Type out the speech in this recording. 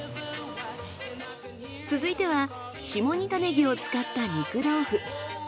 続いては下仁田ねぎを使った肉豆腐。